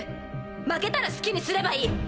負けたら好きにすればいい。